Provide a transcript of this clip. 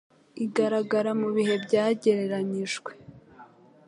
igaragara mu bihe byagereranyijwe